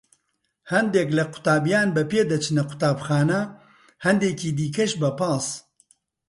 هەندێک لە قوتابیان بە پێ دەچنە قوتابخانە، هەندێکی دیکەش بە پاس.